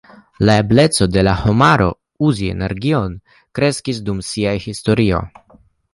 La ebleco de la homaro, uzi energion, kreskis dum sia historio.